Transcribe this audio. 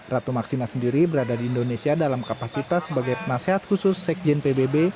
ratu maksima sendiri berada di indonesia dalam kapasitas sebagai penasehat khusus sekjen pbb